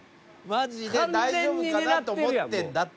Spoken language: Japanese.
マジで大丈夫かなと思ってんだって」